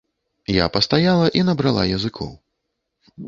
Я пастаяла і набрала языкоў.